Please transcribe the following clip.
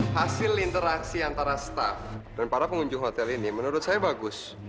hasil interaksi antara staff dan para pengunjung hotel ini menurut saya bagus